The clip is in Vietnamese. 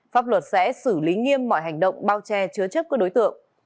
pháp luật sẽ xử lý nghiêm mọi hành động bao che chứa chấp các đối tượng